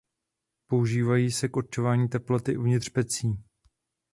Používají se k určování teploty uvnitř pecí.